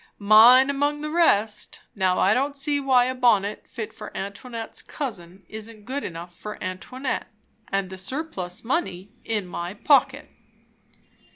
"Mine among the rest. Now I don't see why a bonnet fit for Antoinette's cousin isn't good enough for Antoinette; and the surplus money in my pocket."